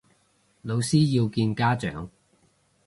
老師要見家長